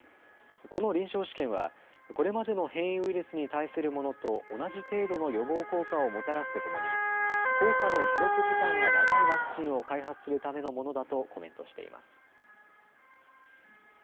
この臨床試験はこれまでの変異ウイルスに対するものと同じ程度の予防効果をもたらすとともに効果の持続時間が長いワクチンを開発するためのものだとコメントしています。